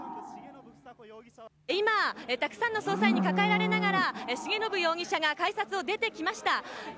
今、たくさんの捜査員に抱えられながら重信容疑者が改札を出てきました。